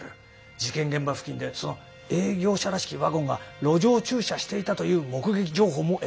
事件現場付近でその営業車らしきワゴンが路上駐車していたという目撃情報も得た。